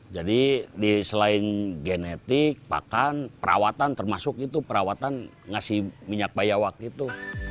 jadi selain genetik bahkan perawatan termasuk itu perawatan ngasih minyak biawak itu